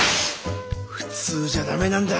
普通じゃダメなんだ。